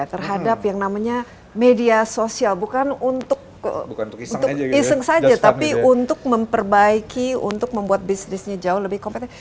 terhadap yang namanya media sosial bukan untuk iseng saja tapi untuk memperbaiki untuk membuat bisnisnya jauh lebih kompeten